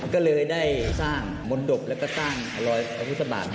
ก็เลยได้สร้างมนตบแล้วก็สร้างรอยพระพุทธบาท